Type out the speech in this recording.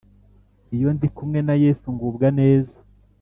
Iyo ndikumwe na yesu ngubwa neza